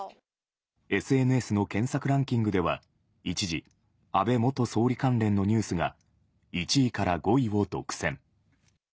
ＳＮＳの検索ランキングでは一時、安倍元総理関連のニュースが、１位から５位を独占。